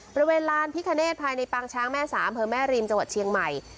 บริเวณลานพิคเนธภายในปางช้างแม่สาอำเภอแม่ริมจังหวัดเชียงใหม่